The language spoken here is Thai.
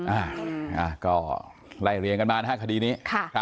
อ่าก็ไล่เรียงกันมานะฮะคดีนี้